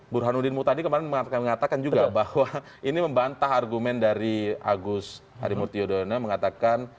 burhanuddin mutadi kemarin mengatakan juga bahwa ini membantah argumen dari agus harimurti yudhoyono mengatakan